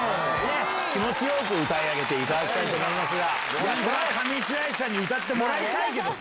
気持ちよく歌い上げていただきた上白石さんに歌ってもらいたいけどさ。